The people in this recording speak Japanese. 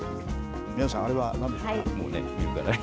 宮内さん、あれはなんでしょうか。